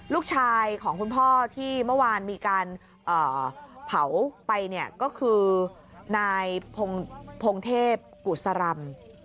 ลูกชายของคุณพ่อที่เมื่อวานมีการเผาไปเนี่ยก็คือนายพงเทพกุศรำ